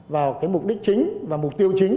vào cái mục đích chính và mục tiêu chính